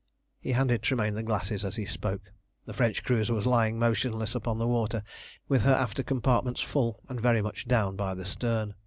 He handed Tremayne the glasses as he spoke. The French cruiser was lying motionless upon the water, with her after compartments full, and very much down by the stern.